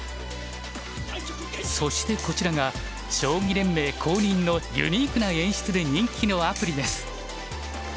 そしてこちらが将棋連盟公認のユニークな演出で人気のアプリです。